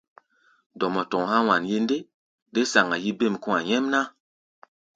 Dɔmɔ tɔ̧ɔ̧ há̧ wanye ndé, dé saŋa-yí bêm kɔ̧́-a̧ nyɛ́mná.